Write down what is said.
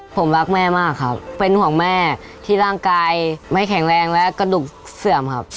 ผมรักแม่มากครับเป็นห่วงแม่ที่ร่างกายไม่แข็งแรงและกระดูกเสื่อมครับ